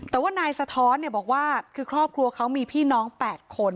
แต่ว่านายสะท้อนบอกว่าคือครอบครัวเขามีพี่น้อง๘คน